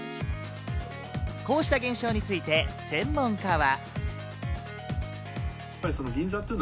こうした現象について専門家は。